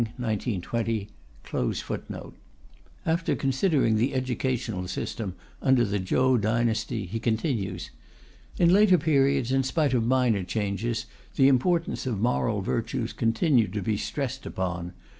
After considering the educational system under the Chou dynasty, he continues: In later periods, in spite of minor changes, the importance of moral virtues continued to be stressed upon.